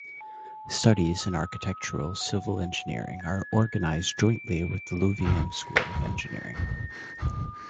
Studies in architectural civil engineering are organized jointly with the Louvain School of Engineering.